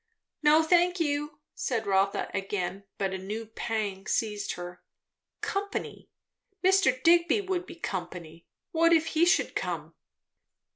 "No, thank you," said Rotha again; but a new pang seized her. Company! Mr. Digby would be company. What if he should come?